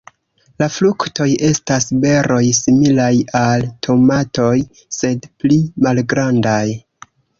La fruktoj estas beroj similaj al tomatoj, sed pli malgrandaj.